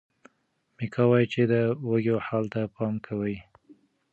میکا وایي چې د وږیو حال ته پام کوي.